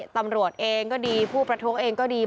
ตำรวจเองก็ดีผู้ประท้วงเองก็ดี